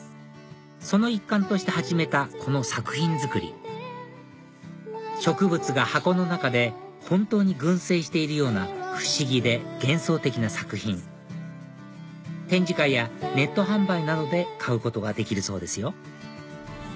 その一環として始めたこの作品作り植物が箱の中で本当に群生しているような不思議で幻想的な作品展示会やネット販売などで買うことができるそうですよ